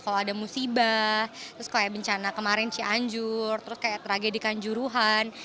kalau ada musibah terus kayak bencana kemarin cianjur terus kayak tragedi kanjuruhan